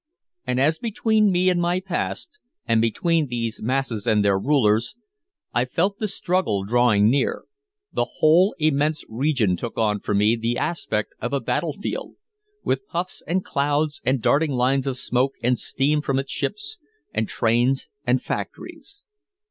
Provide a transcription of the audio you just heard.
And as between me and my past, and between these masses and their rulers, I felt the struggle drawing near, the whole immense region took on for me the aspect of a battlefield, with puffs and clouds and darting lines of smoke and steam from its ships and trains and factories.